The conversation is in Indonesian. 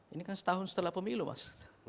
ini kan setahun setelah pemilu mas